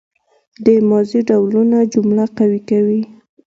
د ماضي ډولونه جمله قوي کوي.